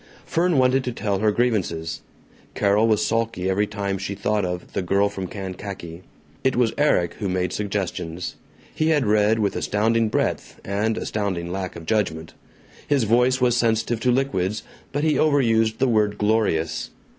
Fern wanted to tell her grievances; Carol was sulky every time she thought of "The Girl from Kankakee"; it was Erik who made suggestions. He had read with astounding breadth, and astounding lack of judgment. His voice was sensitive to liquids, but he overused the word "glorious."